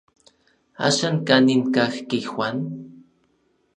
¿Axan kanin kajki Juan?